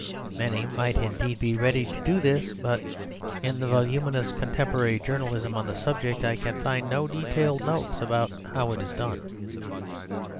Many might indeed be ready to do this; but in the voluminous contemporary journalism on the subject I can find no detailed notes about how it is done.